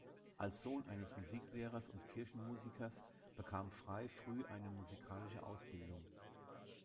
Als Sohn eines Musiklehrers und Kirchenmusikers bekam Frey früh eine musikalische Ausbildung.